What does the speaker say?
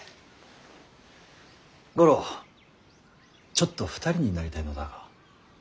五郎ちょっと２人になりたいのだが。